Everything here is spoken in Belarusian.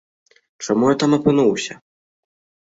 Чаму я там апынуўся?